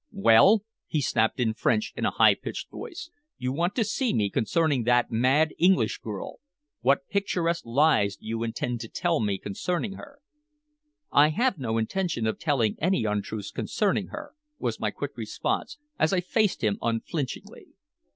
"Well?" he snapped in French in a high pitched voice. "You want to see me concerning that mad English girl? What picturesque lies do you intend to tell me concerning her?" "I have no intention of telling any untruths concerning her," was my quick response, as I faced him unflinchingly.